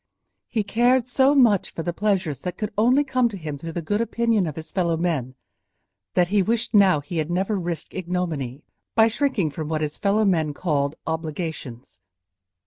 He cared so much for the pleasures that could only come to him through the good opinion of his fellow men, that he wished now he had never risked ignominy by shrinking from what his fellow men called obligations.